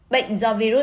bệnh do virus